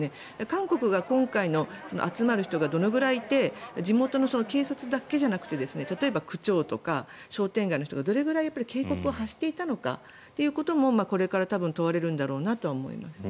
韓国が今回集まる人がどのくらいいて地元の警察だけじゃなくて例えば区長とか商店街の人がどれぐらい警告を発していたかということがこれから問われるんだろうなとは思います。